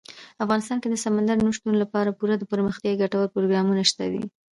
افغانستان کې د سمندر نه شتون لپاره پوره دپرمختیا ګټور پروګرامونه شته دي.